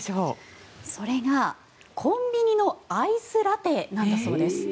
それが、コンビニのアイスラテなんだそうです。